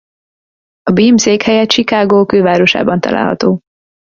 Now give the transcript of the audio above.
A Beam székhelye Chicago külvárosában található.